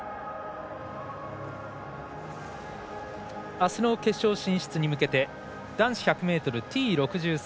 あすの決勝進出に向けて男子１００ｍＴ６３